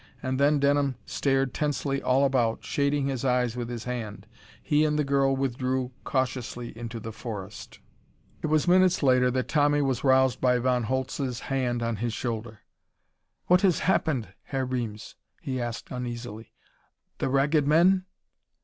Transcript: And then Denham stared tensely all about, shading his eyes with his hand. He and the girl withdrew cautiously into the forest. It was minutes later that Tommy was roused by Von Holtz's hand on his shoulder. "What has happened, Herr Reames?" he asked uneasily. "The Ragged Men?"